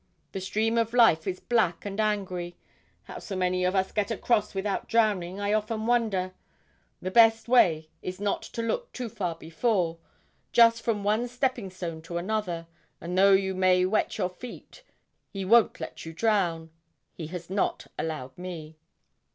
The stream of life is black and angry; how so many of us get across without drowning, I often wonder. The best way is not to look too far before just from one stepping stone to another; and though you may wet your feet, He won't let you drown He has not allowed me.'